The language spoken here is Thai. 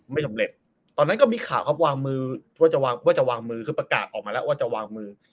ไม่สำเร็จตอนนั้นก็มีข่าวครับวางมือว่าจะวางมือคือประกาศออกมาแล้วว่าจะวางมือ